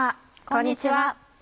こんにちは。